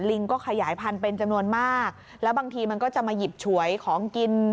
ลิงก็ขยายพันธุ์เป็นจำนวนมากแล้วบางทีมันก็จะมาหยิบฉวยของกิน